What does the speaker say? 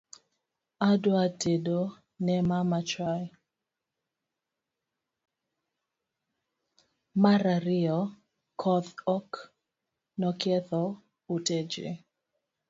mar ariyo. koth ok noketho ute ji